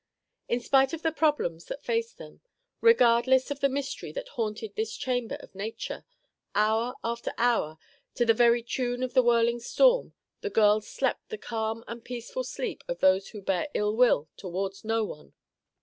In spite of the problems that faced them, regardless of the mystery that haunted this chamber of nature, hour after hour, to the very tune of the whirling storm, the girls slept the calm and peaceful sleep of those who bear ill will toward no one.